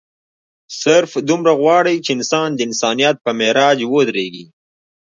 صرف دومره غواړي چې انسان د انسانيت پۀ معراج اودريږي